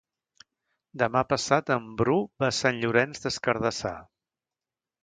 Demà passat en Bru va a Sant Llorenç des Cardassar.